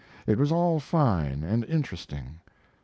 It was all fine and interesting.